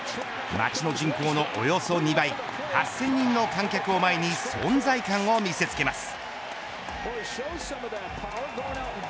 町の人口のおよそ２倍８０００人の観客を前に存在感を見せつけます。